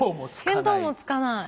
見当もつかない。